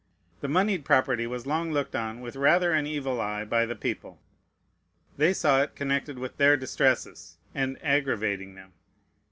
The moneyed property was long looked on with rather an evil eye by the people. They saw it connected with their distresses, and aggravating them.